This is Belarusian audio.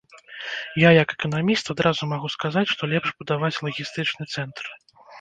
Я, як эканаміст, адразу магу сказаць, што лепш будаваць лагістычны цэнтр.